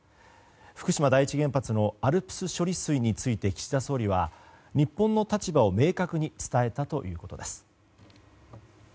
福島第一原発のＡＬＰＳ処理水について岸田総理は、日本の対場を明確に伝えたということです。